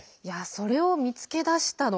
それを見つけだしたの